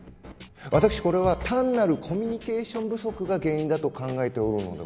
私これは単なるコミュニケーション不足が原因だと考えておるのでございます。